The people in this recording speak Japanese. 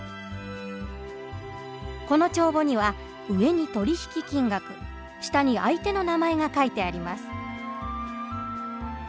この帳簿には上に取り引き金額下に相手の名前が書いてあります。